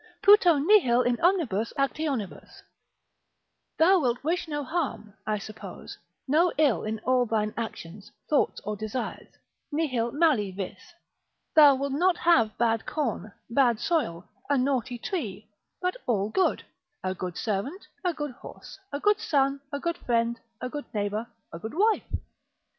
puto nihil in omnibus actionibus; thou wilt wish no harm, I suppose, no ill in all thine actions, thoughts or desires, nihil mali vis; thou wilt not have bad corn, bad soil, a naughty tree, but all good; a good servant, a good horse, a good son, a good friend, a good neighbour, a good wife.